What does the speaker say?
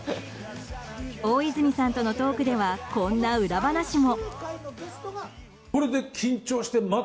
大泉さんとのトークではこんな裏話も。